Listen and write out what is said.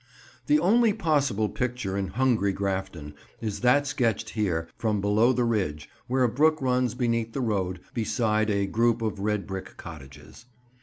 The only possible picture in "Hungry" Grafton is that sketched here, from below the ridge, where a brook runs beneath the road, beside a group of red brick cottages.